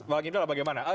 bang ifdolah bagaimana